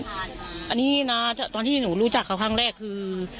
หรือว่ายังไงเขาต้องอันนี้น่ะตอนที่หนูรู้จักเขาครั้งแรกคือ